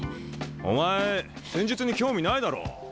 お前戦術に興味ないだろ？